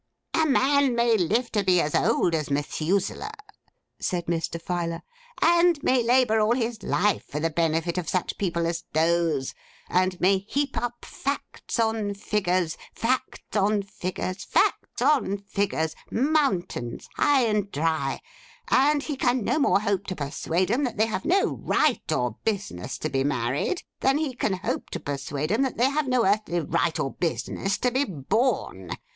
'A man may live to be as old as Methuselah,' said Mr. Filer, 'and may labour all his life for the benefit of such people as those; and may heap up facts on figures, facts on figures, facts on figures, mountains high and dry; and he can no more hope to persuade 'em that they have no right or business to be married, than he can hope to persuade 'em that they have no earthly right or business to be born.